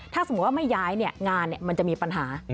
ถ้าสมมุติว่าไม่ย้ายงานมันจะมีปัญหา